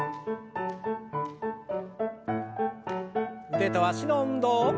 腕と脚の運動。